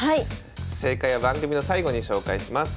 正解は番組の最後に紹介します。